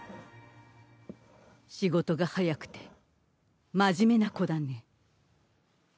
仕事が早くて真面目な子だね。